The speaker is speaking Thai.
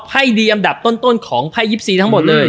ไพ่ดีอันดับต้นของไพ่๒๔ทั้งหมดเลย